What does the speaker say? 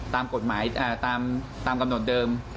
ตามกฎหมายตามกำหนดเดิม